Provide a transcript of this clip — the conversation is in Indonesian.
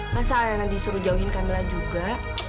masa alena disuruh jauhin camilla juga